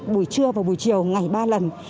buổi trưa và buổi chiều ngày ba lần